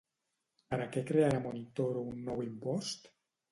Per a què crearà Montoro un nou impost?